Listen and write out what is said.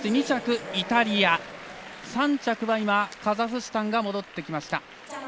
３着はカザフスタンが戻ってきました。